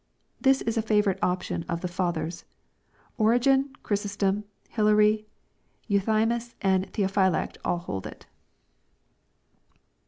This is a favorite opinion of the fathers. Origen, Chrysostom, Hilary, Euthymius and Theophylact all hold it 7.